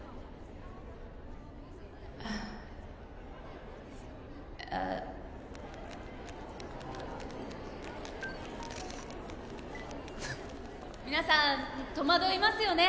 あっ皆さん戸惑いますよね